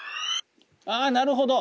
あなるほど。